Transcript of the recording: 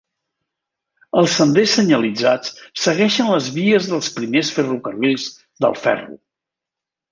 Els senders senyalitzats segueixen les vies dels primers ferrocarrils del ferro.